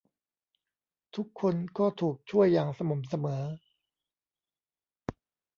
ทุกคนก็ถูกช่วยอย่างสม่ำเสมอ